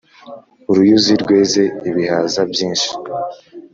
uruyuzi rweze ibihaza byinshi